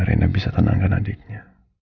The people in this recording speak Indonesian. rena bisa tenangkan adiknya